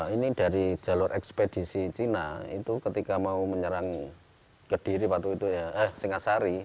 ini dari jalur ekspedisi cina ketika mau menyerang singasari